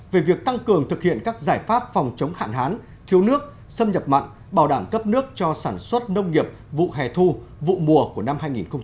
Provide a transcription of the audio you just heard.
về việc tăng cường thực hiện các giải pháp phòng chống hạn hán thiếu nước xâm nhập mặn bảo đảm cấp nước cho sản xuất nông nghiệp vụ hè thu vụ mùa của năm hai nghìn hai mươi